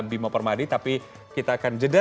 bimo permadi tapi kita akan jeda